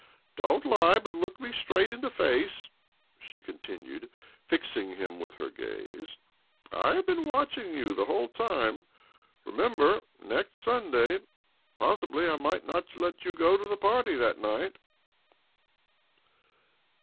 " Do not lie, but look me straight in the s'l face," she continued, fixing him with her k^ gaze. " I have been watching you the whole i time. Remember next Sunday. Possibly ( I might not let you go to the party that S| night."